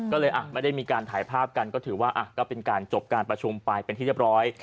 ก็เลยไม่ได้มีการถ่ายภาพกันก็ถือว่าก็เป็นการจบการประชุมไปเป็นที่เรียบร้อย